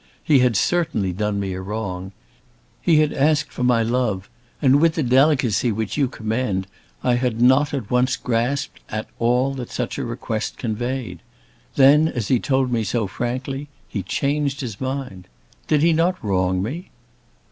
He had certainly done me a wrong. He had asked for my love, and with the delicacy which you commend, I had not at once grasped at all that such a request conveyed. Then, as he told me so frankly, 'he changed his mind!' Did he not wrong me?"